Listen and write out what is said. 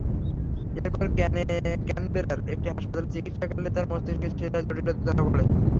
এরপর ক্যানবেরার একটি হাসপাতালে চিকিৎসাকালে তাঁর মস্তিষ্কের শিরায় জটিলতা ধরা পড়ে।